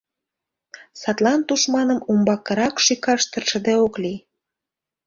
Садлан тушманым умбакырак шӱкаш тыршыде ок лий.